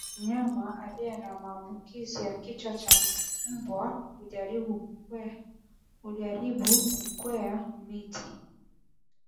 Mnyama aliye na maambukizi ya kichaa cha mbwa hujaribu kukwea miti